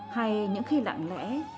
hay những khi lặng lẽ